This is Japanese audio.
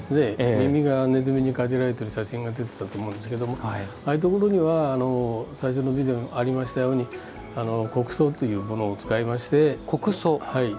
耳がねずみにかじられてる写真が出てたと思うんですけどああいうところには最初のビデオにありましたようにこくそというものを使って。